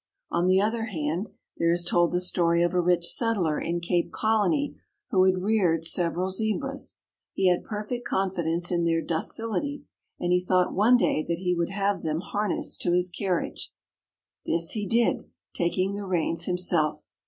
On the other hand, there is told the story of a rich settler in Cape Colony who had reared several Zebras. He had perfect confidence in their docility and he thought one day that he would have them harnessed to his carriage. This he did, taking the reins himself.